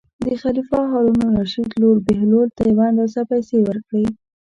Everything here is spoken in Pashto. د خلیفه هارون الرشید لور بهلول ته یو اندازه پېسې ورکړې.